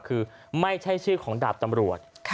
คือไม่ใช่ชื่อของดาบตำรวจ